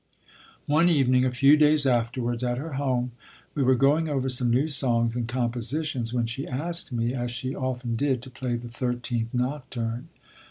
One evening, a few days afterwards, at her home we were going over some new songs and compositions when she asked me, as she often did, to play the Thirteenth Nocturne.